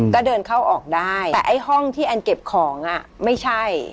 ก็เดินเข้าออกได้แต่ไอ้ห้องที่แอนเก็บของอ่ะไม่ใช่